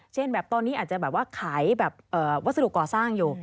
เช่นตอนนี้อาจจะขายวัสดุก่อสร้างอยู่